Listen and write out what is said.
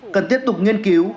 cần tiếp tục nghiên cứu